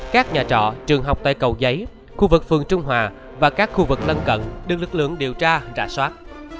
các nhà trọ trường học tại cầu giấy khu vực phường trung hòa và các khu vực lân cận được lực lượng điều tra trả soát